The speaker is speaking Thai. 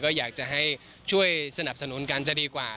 ก็อยากจะให้ช่วยสนับสนุนกันจะดีกว่า